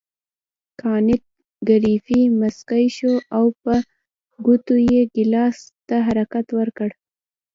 کانت ګریفي مسکی شو او په ګوتو یې ګیلاس ته حرکت ورکړ.